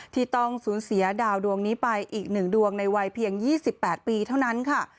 ที่ต้องสูญเสียดาวดวงนี้ไปอีก๑ดวงในวัยเพียง๒๘ปีเท่านั้นค่ะ